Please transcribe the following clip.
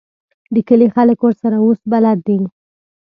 د کلي خلک ورسره اوس بلد دي.